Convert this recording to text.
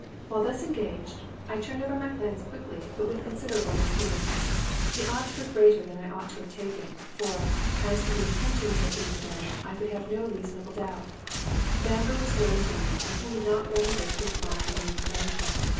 While thus engaged, I turned over my plans quickly but with considerable misgivings. The odds were greater than I ought to have taken. For, as to the intentions of these men, I could have no reasonable doubt. Bamber was known to me and he would not run the risk of my giving information.